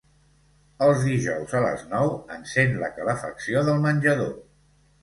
Els dijous a les nou encèn la calefacció del menjador.